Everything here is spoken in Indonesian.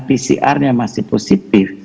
pcrnya masih positif